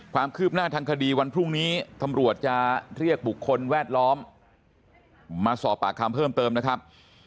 ความคืบหน้าทางคดีวันพรุ่งนี้ตำรวจจะเรียกบุคคลแวดล้อมมาสอบปากคำเพิ่มเติมนะครับ